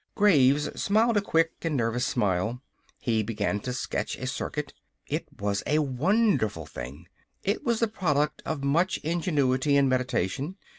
Graves smiled a quick and nervous smile. He began to sketch a circuit. It was a wonderful thing. It was the product of much ingenuity and meditation.